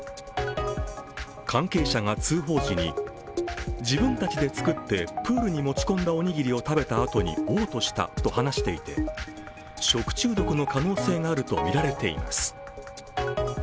関係者が通報時に、自分たちで作って、プールに持ち込んだおにぎりを食べたあとにおう吐したと話していて食中毒の可能性があるとみられています。